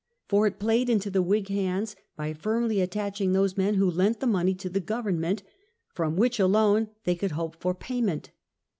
For it played into the Whig hands by firmly attaching those men who lent the money to the govern ment, from which alone they could hope for payment.